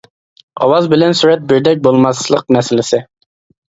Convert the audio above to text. ئاۋاز بىلەن سۈرەت بىردەك بولماسلىق مەسىلىسى.